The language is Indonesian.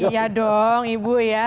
iya dong ibu ya